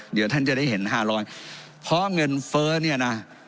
เดี๋ยวท่านจะได้เห็นห้าร้อยเพราะเงินเฟ้อเนี่ยนะ